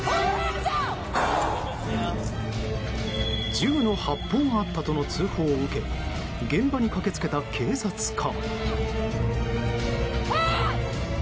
銃の発砲があったとの通報を受け現場に駆け付けた警察官。